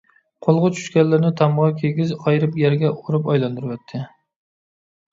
قولغا چۈشكەنلىرىنى تامغا، كىگىز قايرىپ يەرگە ئۇرۇپ ئايلاندۇرۇۋەتتى.